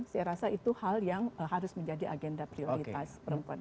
saya rasa itu hal yang harus menjadi agenda prioritas perempuan